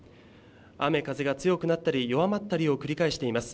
雨風が強くなったり弱まったりを繰り返しています。